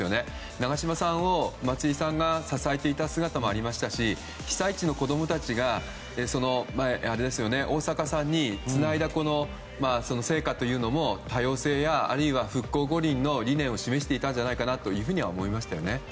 長嶋さんを松井さんが支えていた姿もありましたし被災地の子供たちが大坂さんにつないだ聖火というのも多様性やあるいは復興五輪の理念を示していたんじゃないかと思いましたよね。